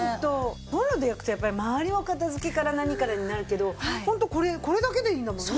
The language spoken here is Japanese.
コンロで焼くと周りの片付けから何からになるけどホントこれこれだけでいいんだもんね。